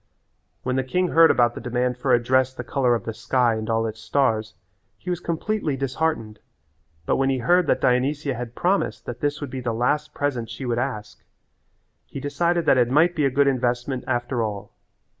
When the king heard about the demand for a dress the colour of the sky and all its stars he was completely disheartened, but when he heard that Dionysia had promised that this would be the last present she would ask he decided that it might be a good investment after all.